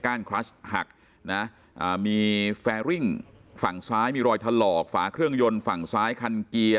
นครชัชหักนะมีแฟริ่งฝั่งซ้ายมีรอยถลอกฝาเครื่องยนต์ฝั่งซ้ายคันเกียร์